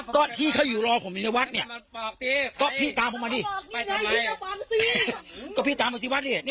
ก็ที่เขาอยู่รอผมในวัดนี่พี่ตามผมมานี่พี่ตามผมมาซิวัดนี่